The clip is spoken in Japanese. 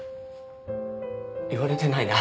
言われてないな。